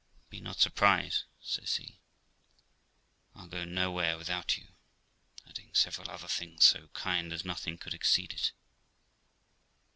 'Be not surprised', said he; 'I'll go nowhere without you '; adding several other things so kind as nothing could exceed it.